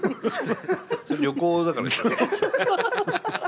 旅行だから。